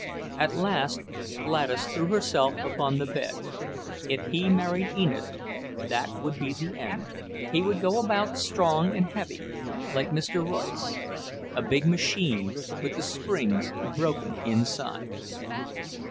At last Gladys threw herself upon the bed. If he married Enid, that would be the end. He would go about strong and heavy, like Mr. Royce; a big machine with the springs broken inside.